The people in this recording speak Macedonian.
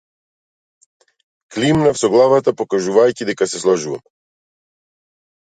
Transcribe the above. Климнав со главата, покажувајќи дека се сложувам.